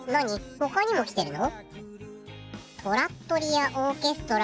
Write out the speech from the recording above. ほかにも来てるの？